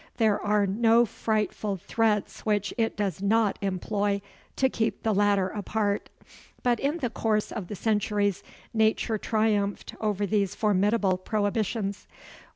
There are no frightful threats which it does not employ to keep the latter apart. But in the course of the centuries nature triumphed over these formidable prohibitions.